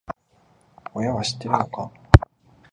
親は知ってるのか？